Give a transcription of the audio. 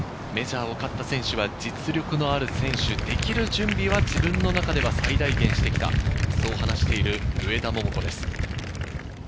メジャーを勝った選手は実力のある選手、できる準備は自分の中では最大限してきた、そう話している上田桃子です。